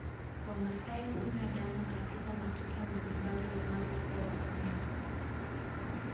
Wamaasai hunywa damu katika matukio mbalimbali wanapokuwa wagonjwa